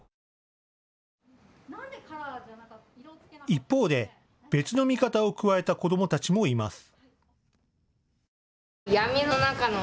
一方で別の見方を加えた子どもたちもいます。